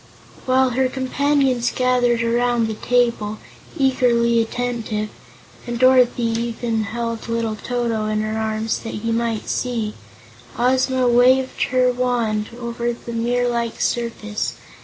While her companions gathered around the table, eagerly attentive and Dorothy even held little Toto in her arms that he might see Ozma waved her wand over the mirror like surface.